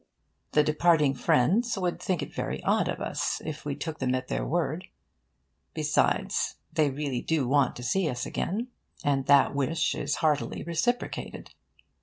The departing friends would think it very odd of us if we took them at their word. Besides, they really do want to see us again. And that wish is heartily reciprocated.